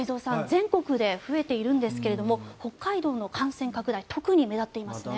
全国で増えているんですけども北海道の感染拡大特に目立っていますね。